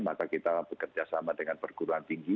maka kita bekerja sama dengan perguruan tinggi